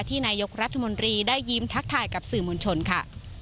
นายกรัฐมนตรีได้ยิ้มทักทายกับสื่อมวลชนค่ะ